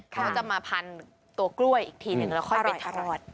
เขาก็จะมาพันตัวกล้วยอีกทีหนึ่งแล้วค่อยไปทอด